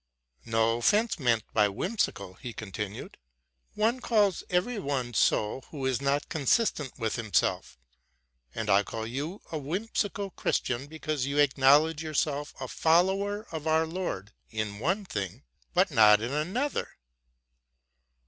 '* No offence meant by ' whimsical,' '' he continued :'* one calls every one so who is not consistent with himself ; and I call you a whimsical Christian because you acknowledge yourself a follower of our Lord in one thing, but not in another.